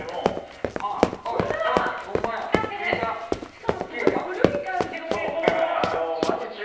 しかもすごい古い感じの蛍光灯。